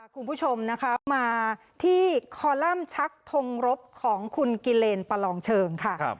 คุณผู้ชมนะคะมาที่คอลัมป์ชักทงรบของคุณกิเลนประลองเชิงค่ะ